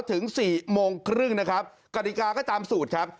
ถึงสี่โมงครึ่งนะครับกฎิกาก็ตามสูตรครับ